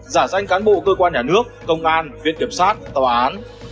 giả danh cán bộ cơ quan nhà nước công an viên kiểm soát tòa án